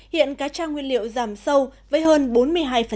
hiện cá tra nguyên liệu giảm sâu với hơn bốn mươi hai